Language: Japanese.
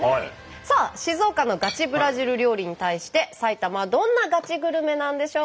さあ静岡のガチブラジル料理に対して埼玉はどんなガチグルメなんでしょうか？